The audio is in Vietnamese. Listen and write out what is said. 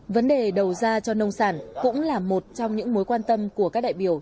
vấn đề đầu ra cho nông sản cũng là một trong những mối quan tâm của các đại biểu